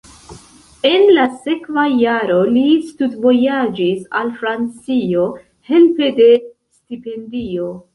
En la sekva jaro li studvojaĝis al Francio helpe de stipendio.